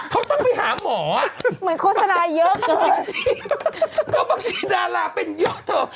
เขาต้องไปหาหมอเหมือนโฆษณาเยอะเกินจริงก็บางทีดาราเป็นเยอะเถอะ